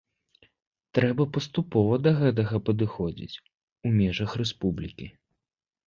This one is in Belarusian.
Трэба паступова да гэтага падыходзіць, у межах рэспублікі.